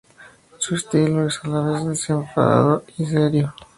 Su estilo es a la vez desenfadado y serio.